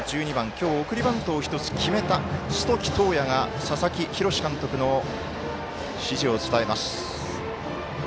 今日、送りバントを１つ決めた寿時東弥が佐々木洋監督の指示を伝えます。